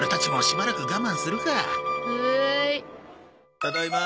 ただいまー。